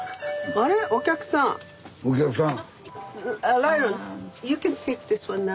お客さん。